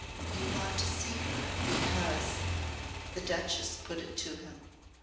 "You want to see her because ?" the Duchess put it to him.